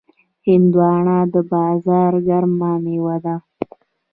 هندوانه د بازار ګرم میوه ده.